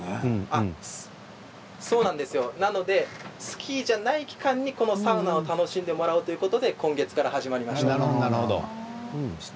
ですのでスキーじゃない期間にこのサウナを楽しんでもらうということで今月から始まりました。